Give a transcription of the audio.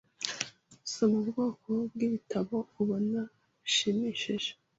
Soma ubwoko bwibitabo ubona bishimishije.